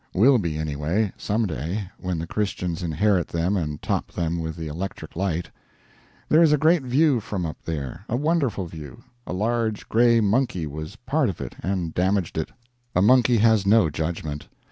Will be, anyway, some day, when the Christians inherit them and top them with the electric light. There is a great view from up there a wonderful view. A large gray monkey was part of it, and damaged it. A monkey has no judgment.